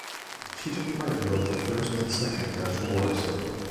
She took part in both the First and Second Dutch Wars.